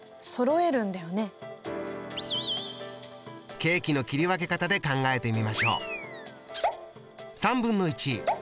ケーキの切り分け方で考えてみましょう。